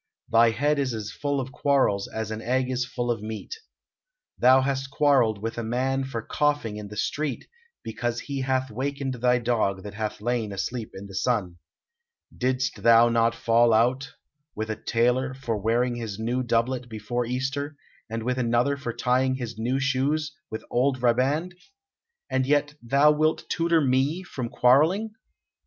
Thy head is as full of quarrels as an egg is full of meat. Thou hast quarrelled with a man for coughing in the street, because he hath wakened thy dog that hath lain asleep in the sun. Didst thou not fall out with a tailor for wearing his new doublet before Easter, and with another for tying his new shoes with old riband? And yet thou wilt tutor me from quarrelling!"